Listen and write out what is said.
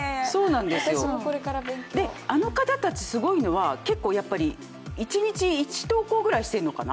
あの方たち、すごいのは結構一日１投稿ぐらいしてるのかな。